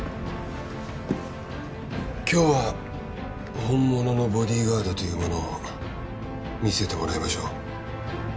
今日は本物のボディーガードというものを見せてもらいましょう。